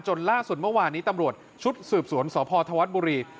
ล่าสุดเมื่อวานนี้ตำรวจชุดสืบสวนสพธวัฒน์บุรี